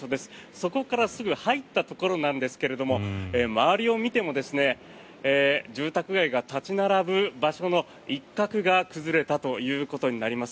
そこからすぐ入ったところなんですけども周りを見ても住宅街が立ち並ぶ場所の一角が崩れたということになります。